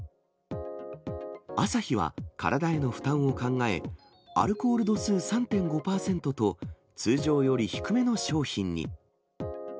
アサヒは、体への負担を考え、アルコール度数３．５％と通常より低めの商品に。